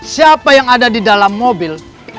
siapa yang ada di dalam mobil